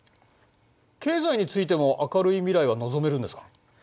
経済についても明るい未来は望めるんですか？